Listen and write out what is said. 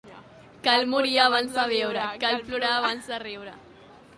Cal morir abans de viure; cal plorar abans de riure.